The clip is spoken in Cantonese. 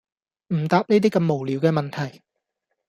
唔答呢啲咁無聊嘅問題